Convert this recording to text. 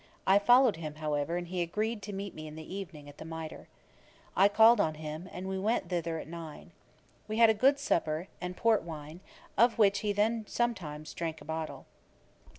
I followed him, however, and he agreed to meet me in the evening at the Mitre. I called on him, and we went thither at nine. We had a good supper, and port wine, of which he then sometimes drank a bottle.